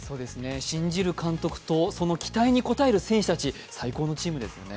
信じる監督とその期待に応える選手たち最高のチームですよね。